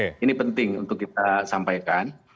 nah ini penting untuk kita sampaikan